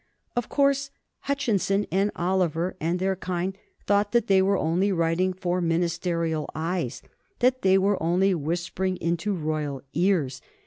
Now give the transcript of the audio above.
Of course Hutchinson and Oliver and their kind thought that they were only writing for ministerial eyes, that they were only whispering into royal ears.